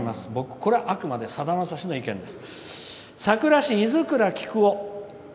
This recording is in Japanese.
これは、あくまでさだまさしの意見です。